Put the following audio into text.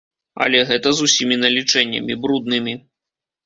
Але гэта з усімі налічэннямі, бруднымі.